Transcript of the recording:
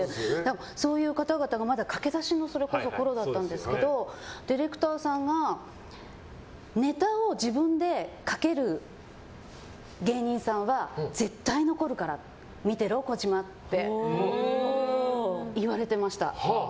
そういう方々がまだ駆け出しのころだったんですけどディレクターさんがネタを自分で書ける芸人さんは絶対残るから見てろ、小島って言われてました。